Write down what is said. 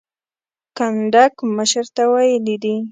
کنډک مشر ته ویلي دي.